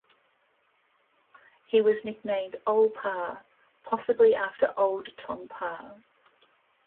He was nicknamed "Ole Parr", possibly after Old Tom Parr.